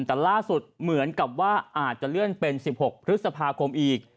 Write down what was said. แต่ล่าสุดเหมือนกับว่าอาจจะเลื่อนเป็น๑๖พฤษภาคมอีก